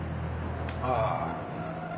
ああ。